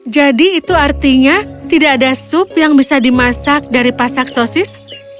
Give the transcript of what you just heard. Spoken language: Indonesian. jadi itu artinya tidak ada sup yang bisa dimasak dari pasak sosis